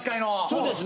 そうですね。